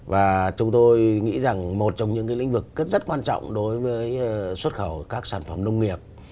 và chúng tôi nghĩ rằng một trong những lĩnh vực rất quan trọng đối với xuất khẩu các sản phẩm nông nghiệp